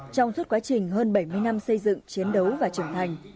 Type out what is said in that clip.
trong suốt quá trình hơn bảy mươi năm xây dựng chiến đấu và trưởng thành